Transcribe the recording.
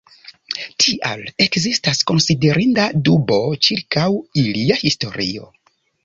Tial ekzistas konsiderinda dubo ĉirkaŭ ilia historio.